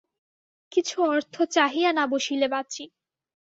কিছু অর্থ চাহিয়া না বসিলে বাঁচি।